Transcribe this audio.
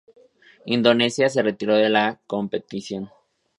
Indonesia se retiró de la competición.